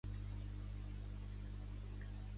Avui he validat un setanta-u per cent de frases